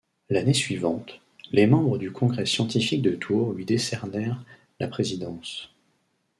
L’année suivante, les membres du congrès scientifique de Tours lui décernèrent la présidence.